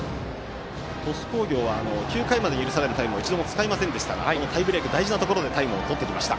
鳥栖工業は９回まで許されるタイムを一度も使いませんでしたがタイブレークの大事なところでタイムをとってきました。